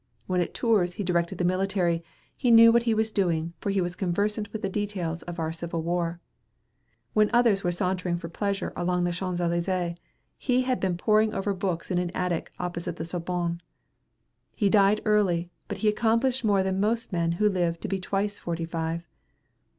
When at Tours he directed the military, he knew what he was doing, for he was conversant with the details of our civil war. When others were sauntering for pleasure along the Champs Élysees, he had been poring over books in an attic opposite the Sorbonne. He died early, but he accomplished more than most men who live to be twice forty five.